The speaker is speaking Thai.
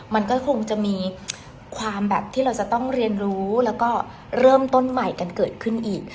มันก็คงจะมีความแบบที่เราจะต้องเรียนรู้แล้วก็เริ่มต้นใหม่กันเกิดขึ้นอีก